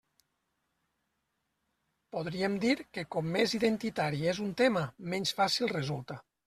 Podríem dir que com més «identitari» és un tema, menys fàcil resulta.